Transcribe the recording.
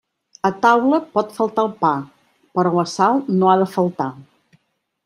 A taula pot faltar el pa, però la sal no ha de faltar.